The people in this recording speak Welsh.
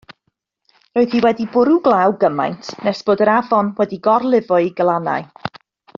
Roedd hi wedi bwrw glaw gymaint nes bod yr afon wedi gorlifo'i glannau.